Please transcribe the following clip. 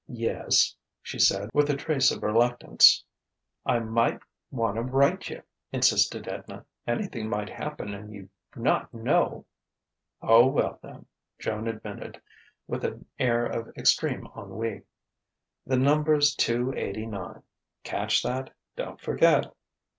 "Yes," she said with a trace of reluctance. "I might wanta write to you," insisted Edna. "Anything might happen and you not know " "Oh, well, then," Joan admitted, with an air of extreme ennui, "the number's Two eighty nine. Catch that? Don't forget."